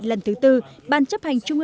lần thứ ba